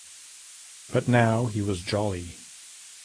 But now he was jolly.